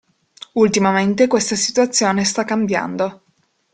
Ultimamente questa situazione sta cambiando.